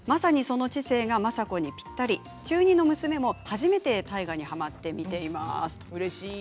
まさにその知性がが政子にぴったり中２の娘も初めて大河にはまって見ています。